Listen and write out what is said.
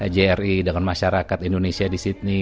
jri dengan masyarakat indonesia di sydney